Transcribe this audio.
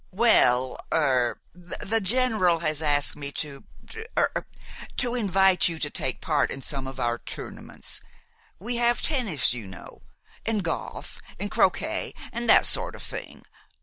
"Well er the General has asked me to er invite you take part in some of our tournaments. We have tennis, you know, an' golf, an' croquet, an' that sort of thing.